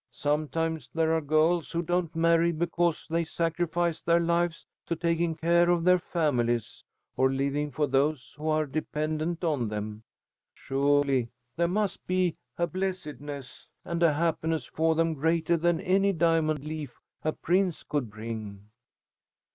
Sometimes there are girls who don't marry because they sacrifice their lives to taking care of their families, or living for those who are dependent on them. Surely there must be a blessedness and a happiness for them greater than any diamond leaf a prince could bring."